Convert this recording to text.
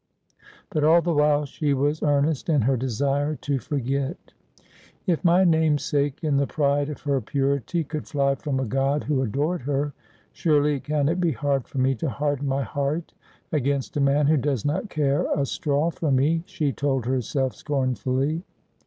But all the while she was earnest in her desire to forget. ' If my namesake, in the pride of her purity, could fly from a god who adored her, surely it cannot be hard for me to harden my heart against a man who does not care a straw for me,' she told herself scornfully.